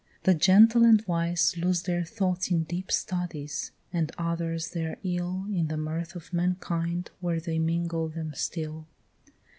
The gentle and wise Lose their thoughts in deep studies, and others their ill In the mirth of mankind where they mingle them still.